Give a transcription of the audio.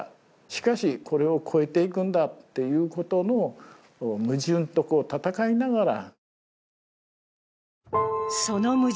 しかしこれを越えていくんだということの矛盾と戦いながら。